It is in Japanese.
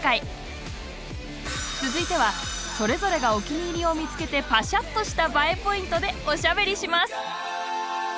続いてはそれぞれがお気に入りを見つけてパシャッとしたＢＡＥポイントでおしゃべりします。